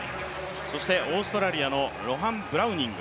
そしてオーストラリアのロハン・ブラウニング。